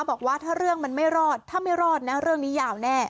บอกว่าถ้าเรื่องมันไม่รอดถ้าไม่รอดนะเรื่องนี้ยาวแน่